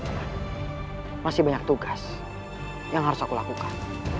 nah masih banyak tugas yang harus aku lakukan